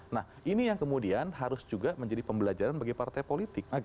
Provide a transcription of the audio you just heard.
nah ini yang kemudian harus juga menjadi pembelajaran bagi partai politik